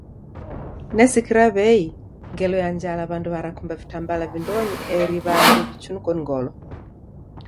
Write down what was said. Nesikira wei ngelo ya njala, wandu warakumba vitambala vindonyi eri wandu wichunuko ni ngolo.